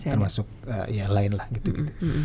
termasuk lain lah gitu